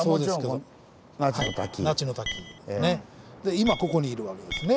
今ここにいるわけですね